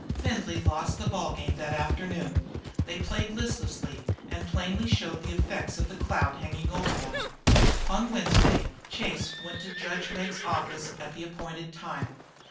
Findlay lost the ball game that afternoon. They played listlessly, and plainly showed the effects of the cloud hanging over them. On Wednesday Chase went to judge Meggs's office at the appointed time.